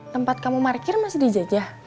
tempat kamu parkir masih dijajah